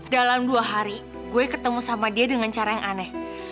dalam dua hari gue ketemu sama dia dengan cara yang aneh